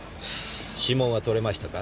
指紋は採れましたか？